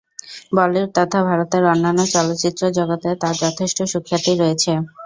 বলিউড তথা ভারতের অন্যান্য চলচ্চিত্র জগতে তার যথেষ্ট সুখ্যাতি রয়েছে।